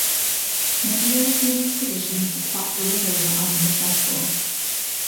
Many European expeditions to plot the river were unsuccessful.